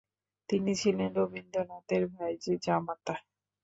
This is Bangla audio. তিনি ছিলেন রবীন্দ্রনাথের ভাইঝি জামাতা।